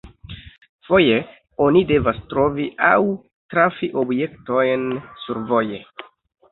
Foje oni devas trovi aŭ trafi objektojn survoje.